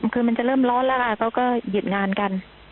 คือมันจะเริ่มร้อนแล้วค่ะเขาก็หยุดงานกัน